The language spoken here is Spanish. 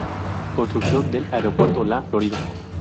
Construcción del Aeropuerto La Florida.